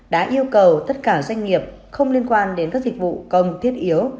đã yêu cầu tất cả doanh nghiệp không liên quan đến các dịch vụ công thiết yếu